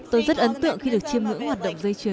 tôi rất ấn tượng khi được chiêm ngưỡng hoạt động dây chuyền